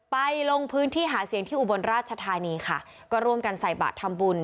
ลงพื้นที่หาเสียงที่อุบลราชธานีค่ะก็ร่วมกันใส่บาททำบุญ